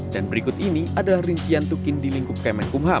dan berikut ini adalah rincian tukin di lingkup kemenkubham